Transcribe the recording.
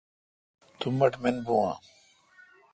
تو مٹھ مین بھو اؘ۔